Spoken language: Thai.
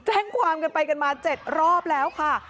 แจ้งความกันไปกันมา๗รอบแล้วค่ะ